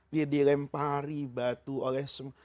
dia dilempari batu oleh semua